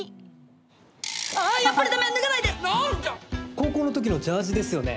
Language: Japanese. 高校の時のジャージですよね。